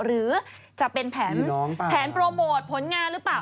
หรือจะเป็นแผนโปรโมทผลงานหรือเปล่า